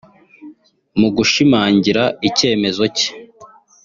Mu gushimangira icyemezo cye